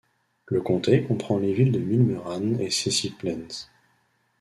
Le comté comprend les villes de Millmerran et Cecil Plains.